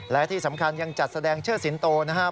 และที่สำคัญยังจัดแสดงเชิดสิงโตนะครับ